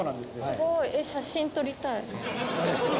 すごい！写真撮りたい。